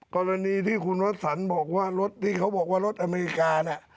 กรณีที่คุณวัสสันบอกว่ารถที่เขาบอกว่ารถอเมริกาน่ะ